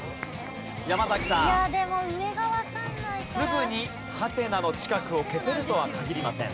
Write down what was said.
すぐにハテナの近くを消せるとは限りません。